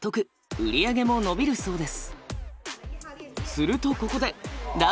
売り上げも伸びるそうです。